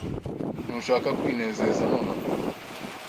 Ntushaka kwinezeza nonaha?